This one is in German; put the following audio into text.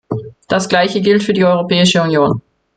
Das Gleiche gilt für die Europäische Union.